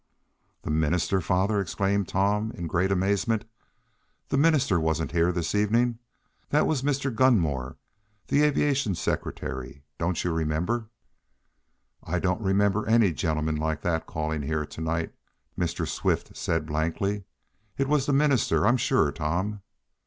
"The minister, father!" exclaimed Tom, in great amazement. "The minister wasn't here this evening! That was Mr. Gunmore, the aviation secretary. Don't you remember?" "I don't remember any gentleman like that calling here to night," Mr. Swift said blankly. "It was the minister, I'm sure, Tom."